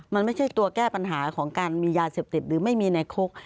มันไม่ใช่ตัวแก้ปัญหาของการมียาเสพติดหรือไม่มีในคุก